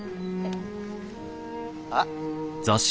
あっ。